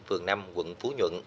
phường năm quận phú nhuận